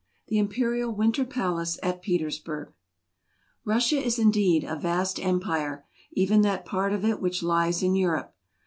The Imperial Winter Palace at Peters . burgh, Russia is indeed a vast empire, even that part of it which lies in Europe.